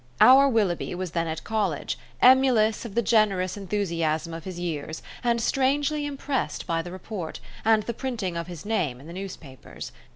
Our Willoughby was then at College, emulous of the generous enthusiasm of his years, and strangely impressed by the report, and the printing of his name in the newspapers.